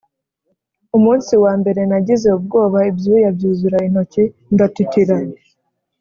Umunsi wa mbere nagize ubwoba ibyuya byuzura intoki ndatitira”.